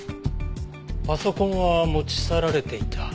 パソコンは持ち去られていた。